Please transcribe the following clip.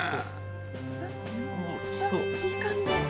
いい感じ。